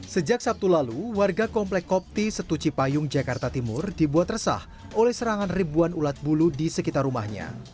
sejak sabtu lalu warga komplek kopti setuci payung jakarta timur dibuat resah oleh serangan ribuan ulat bulu di sekitar rumahnya